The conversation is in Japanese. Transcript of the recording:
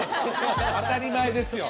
当たり前ですよ